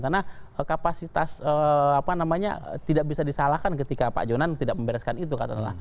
karena kapasitas tidak bisa disalahkan ketika pak jonan tidak membereskan itu